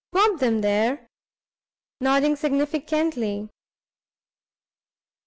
Bob 'em there!" nodding significantly.